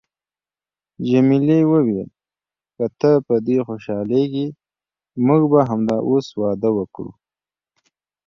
جميلې وويل: که ته په دې خوشحالیږې، موږ به همدا اوس واده وکړو.